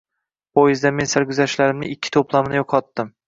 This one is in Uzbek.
Poyezdda men Sarguzashtlarimning ikki to‘plamini yo‘qotdim.